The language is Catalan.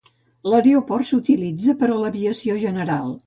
L'aeroport s'utilitza per a l'aviació general.